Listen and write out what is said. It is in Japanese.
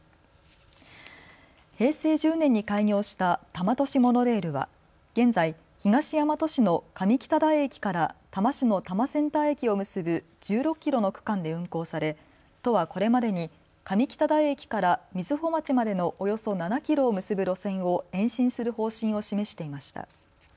平成１０年に開業した多摩都市モノレールは現在、東大和市の上北台駅から多摩市の多摩センター駅を結ぶ１６キロの区間で運行され都はこれまでに上北台駅から瑞穂町までのおよそ７キロを結ぶ路線を延伸する方針を示していました。